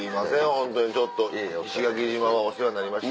ホントにちょっと石垣島はお世話になりました。